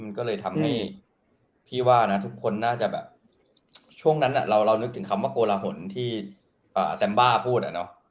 มันก็เลยทำให้พี่ว่านะทุกคนน่าจะแบบช่วงนั้นเรานึกถึงคำว่าโกลหนที่แซมบ้าพูดอะเนาะ